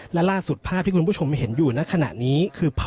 และล่าสุดภาพที่คุณผู้ชมเห็นอยู่ในขณะนี้คือ